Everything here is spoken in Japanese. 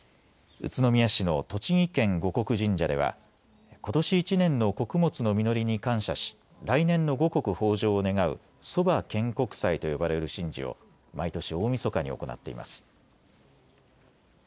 宇都宮市の栃木県護国神社ではことし１年の穀物の実りに感謝し来年の五穀豊じょうを願うそば献穀祭と呼ばれる神事を毎年、大みそかに行っています。